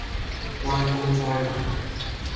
關公災難